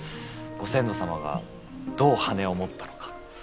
ご先祖様がどう羽を持ったのか。